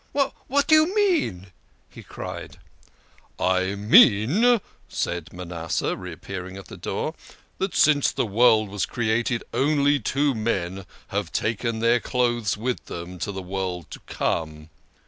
" What do you mean? " he cried. " I mean," said Manasseh, reappearing at the door, " that since the world was created, only two men have taken their clothes with them to the world to come.